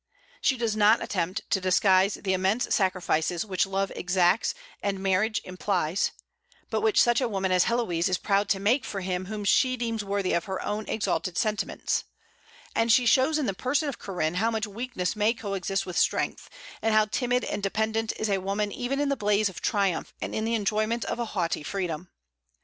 She does not attempt to disguise the immense sacrifices which love exacts and marriage implies, but which such a woman as Héloïse is proud to make for him whom she deems worthy of her own exalted sentiments; and she shows in the person of Corinne how much weakness may coexist with strength, and how timid and dependent is a woman even in the blaze of triumph and in the enjoyment of a haughty freedom.